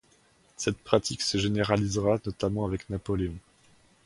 Cette pratique se généralisera notamment avec Napoléon.